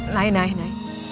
naik naik naik